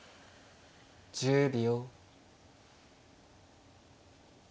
１０秒。